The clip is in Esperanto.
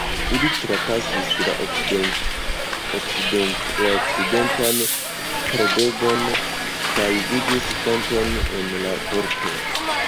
Ili trapasis la okcidentan pordegon kaj vidis fonton en la korto.